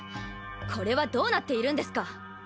これはどうなっているんですか？